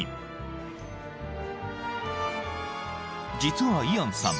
［実はイアンさん。